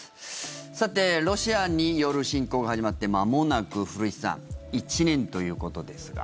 さてロシアによる侵攻が始まってまもなく、古市さん１年ということですが。